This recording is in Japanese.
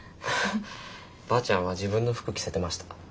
ばあちゃんは自分の服着せてました。